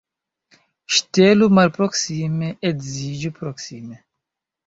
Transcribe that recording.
Ŝtelu malproksime, edziĝu proksime.